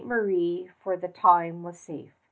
Marie for the time was safe.